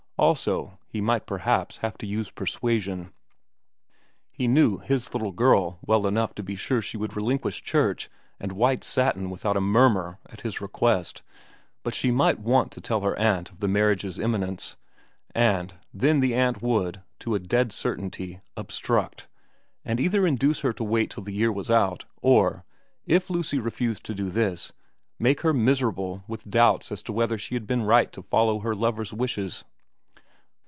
Also he might perhaps have to use persuasion. He knew his little girl well enough to be sure she would relinquish church and white satin without a murmur at his request, but she might want to tell her aunt of the marriage's imminence, and then the aunt would, to a dead certainty, obstruct, and either induce her to wait till the year was out, or, if Lucy refused to do this, make her miserable with doubts as to whether she had been right to follow her lover's wishes.